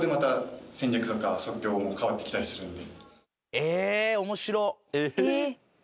え面白っ！